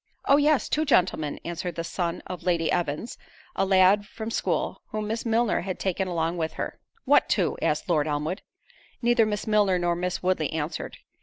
"Oh! yes, two gentlemen:" answered the son of Lady Evans, a lad from school, whom Miss Milner had taken along with her. "What two?" asked Lord Elmwood. Neither Miss Milner nor Miss Woodley answered.